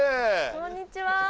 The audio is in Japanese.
こんにちは。